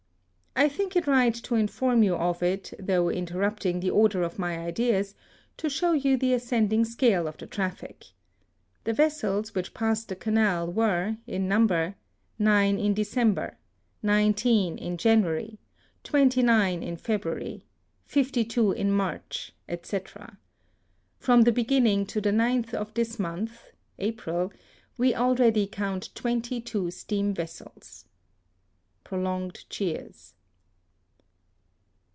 I think it right to * The following is the traffic reported for 1874 :— THE SUEZ CANAL. 23 inform you of it, thougli interrupting the order of my ideas, to show you the ascend ing scale of the traffic. The vessels which passed the Canal were, in number, nine in December, nineteen in January, twenty nine in February, fifty two in March, &c. From the beginning to the 9th of this month (April) we already count twenty two steam vessels * (Prolonged cheers.)